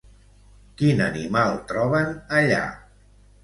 Quin animal troben allà?